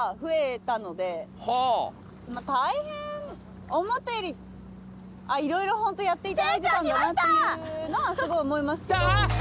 まぁ大変思ったよりいろいろホントやっていただいてたんだなっていうのはすごい思います。